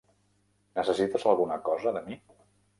Necessites alguna cosa de mi?